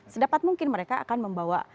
sedapat mungkin mereka akan membawa